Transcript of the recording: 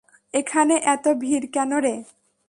ওখানে এত ভীড় কেন রে?